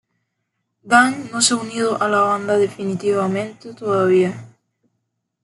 Dan no se ha unido a la banda definitivamente todavía.